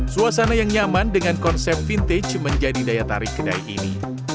suasana yang nyaman dengan konsep vintage menjadi daya tarik kedai ini